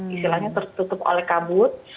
istilahnya tertutup oleh kabut